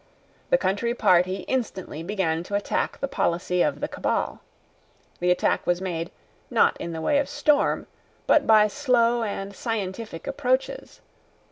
The Country Party instantly began to attack the policy of the Cabal. The attack was made, not in the way of storm, but by slow and scientific approaches.